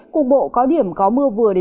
cục bộ có điểm có mưa vừa đến mưa